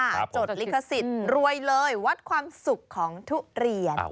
จดลิขสิทธิ์รวยเลยวัดความสุขของทุเรียน